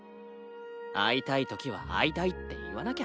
会いたいときは会いたいって言わなきゃ。